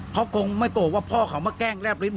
เขาคงไม่โกรธว่าพ่อเขามาแกล้งแรบลิ้นเห